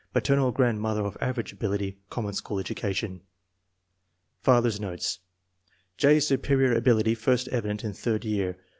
Paternal grandmother of average ability, common school education. Father's notes. J.'s superior ability first evident in third year.